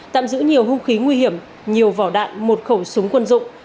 tạm giữ nhiều hung khí nguy hiểm nhiều vỏ đạn một khẩu súng quân dụng